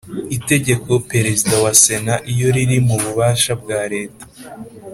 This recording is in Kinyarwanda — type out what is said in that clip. itegeko Perezida wa Sena iyo riri mu bubasha bwa leta